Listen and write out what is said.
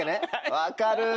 分かる。